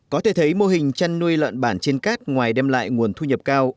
có thể thấy mô hình chăn nuôi lợn bản trên cát ngoài đem lại nguồn thu nhập cao